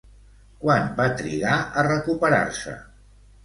Quant va trigar a recuperar-se?